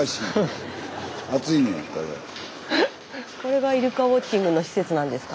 これがイルカウォッチングの施設なんですか？